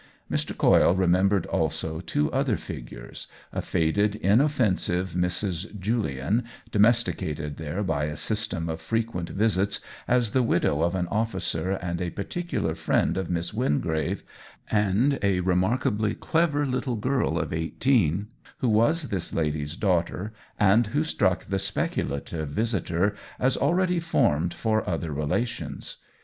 Mr. Coyle remembered also two other fig ures — a faded, inoffensive Mrs. Julian, do mesticated there by a system of frequent visits as the widow of an officer and a par ticular friend of Miss Wingrave, and a re II I62 OWEN WINGRAVE markably clever little girl of eighteen, who was this lady's daughter, and who struck the speculative visitor as already formed for other relations.